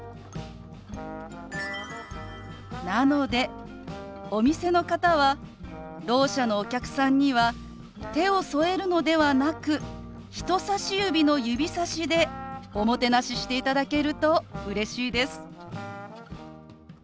なのでお店の方はろう者のお客さんには手を添えるのではなく人さし指の指さしでおもてなししていただけるとうれしいです。